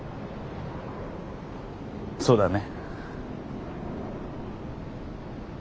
そうだね。